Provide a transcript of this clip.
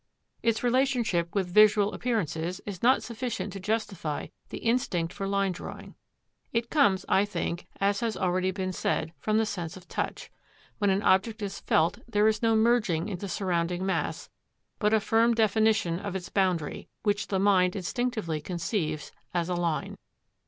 Its relationship with visual appearances is not sufficient to justify the instinct for line drawing. It comes, I think, as has already been said, from the sense of touch. When an object is felt there is no merging in the surrounding mass, but a firm definition of its boundary, which the mind instinctively conceives as a line.